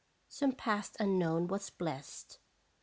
Some past unknown was blest.